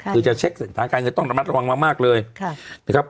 คือจะเช็คเส้นทางการเงินต้องระมัดระวังมากเลยนะครับ